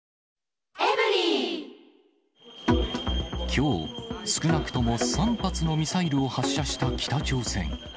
きょう、少なくとも３発のミサイルを発射した北朝鮮。